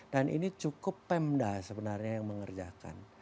dan ini cukup pemda sebenarnya yang mengerjakan